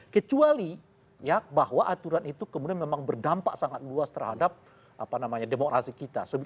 kecuali bahwa aturan itu kemudian memang berdampak sangat luas terhadap demokrasi kita